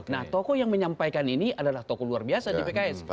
nah tokoh yang menyampaikan ini adalah tokoh luar biasa di pks